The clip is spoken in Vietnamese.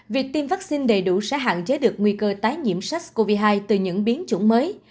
việc tiêm vaccine đầy đủ sẽ hạn chế được nguy cơ tái nhiễm sars cov hai từ những biến chủng mới